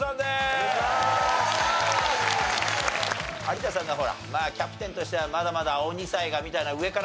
有田さんがほらまあキャプテンとしてはまだまだ青二才がみたいな上からくるじゃん？